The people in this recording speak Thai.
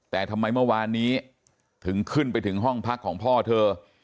แต่ทำไมเมื่อวานนี้ถึงขึ้นไปถึงห้องพักของพ่อเธอ